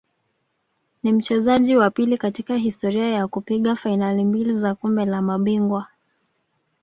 Ni mchezaji wa pili katika historia ya kupiga fainali mbili za Kombe la Mabingwa